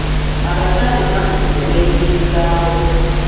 Abakyala ennaku zino beeyimirizaawo.